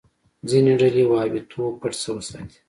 ځینې ډلې وهابيتوب پټ وساتي.